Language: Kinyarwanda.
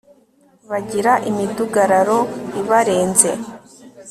bagira imidugararo ibarenze